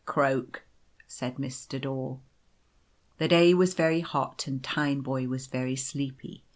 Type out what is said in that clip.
" Croak," said Mr. Daw. The day was very hot and Tineboy was very sleepy.